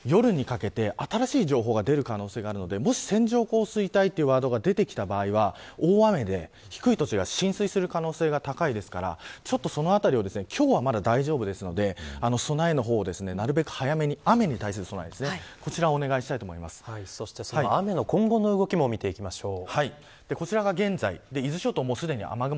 なので、今日の午後から夜にかけて、新しい情報が出る可能性があるのでもし線状降水帯というワードが出てきた場合は大雨で低い土地が浸水する可能性が高いですからそのあたりは今日は、まだ大丈夫ですので備えの方、なるべく早めに雨に対する備えですこちらを雨の今後の動きも見ていきましょう。